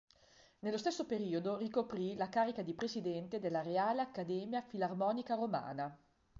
Nello stesso periodo ricoprì la carica di presidente della Reale Accademia Filarmonica Romana.